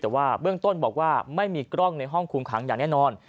แต่ว่าเบื้องต้นบอกว่าไม่มีกล้องในห้องคุมขังอย่างแน่นอน